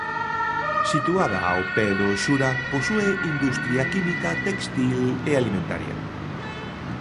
Situada ao pé do Xura, posúe industria química, téxtil e alimentaria.